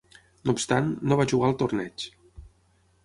No obstant, no va jugar el torneig.